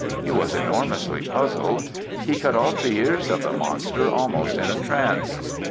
He was enormously puzzled. He cut off the ears of the monster almost in a trance.